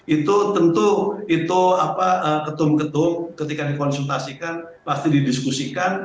itu tentu itu ketum ketum ketika dikonsultasikan pasti didiskusikan